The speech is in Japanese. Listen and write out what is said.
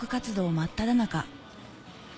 真っただ中